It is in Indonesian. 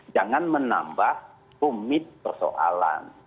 jangan menambah rumit persoalan